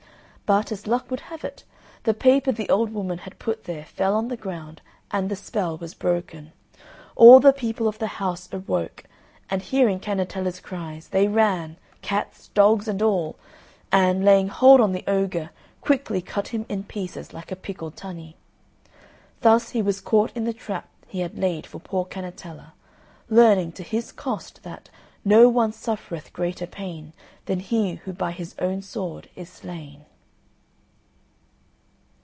But, as luck would have it, the paper the old woman had put there fell on the ground, and the spell was broken. All the people of the house awoke, and, hearing Cannetella's cries, they ran cats, dogs, and all and, laying hold on the ogre, quickly cut him in pieces like a pickled tunny. Thus he was caught in the trap he had laid for poor Cannetella, learning to his cost that "No one suffereth greater pain Than he who by his own sword is slain."